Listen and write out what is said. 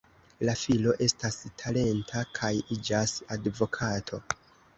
La filo estas talenta kaj iĝas advokato.